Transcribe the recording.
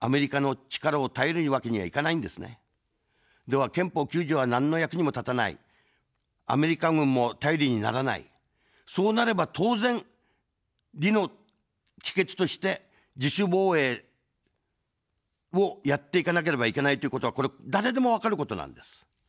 では憲法９条は、なんの役にも立たない、アメリカ軍も頼りにならない、そうなれば当然、理の帰結として、自主防衛をやっていかなければいけないということは、これ誰でも分かることなんです。